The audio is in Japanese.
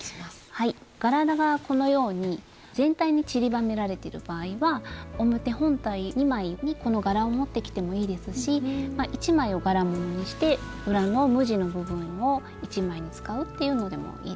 柄がこのように全体に散りばめられてる場合は表本体２枚にこの柄を持ってきてもいいですし１枚を柄物にして裏の無地の部分を１枚に使うっていうのでもいいですよね。